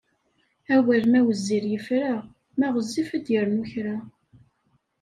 Awal ma wezzil yefra, ma ɣezzif ad d-yernu kra.